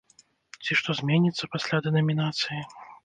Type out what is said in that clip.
Ці што зменіцца пасля дэнамінацыі?